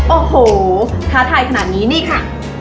โอ้โหท้าทายขนาดนี้นี่ค่ะ